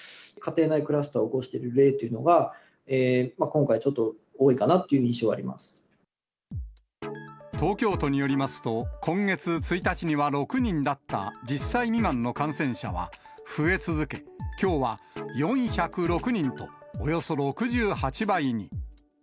家庭内クラスターを起こしている例というのは、今回、ちょっと多東京都によりますと、今月１日には６人だった１０歳未満の感染者は増え続け、きょうは４０６人とおよそ６８倍に。